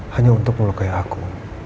hanya untuk melukai aku